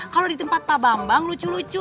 kalau di tempat pak bambang lucu lucu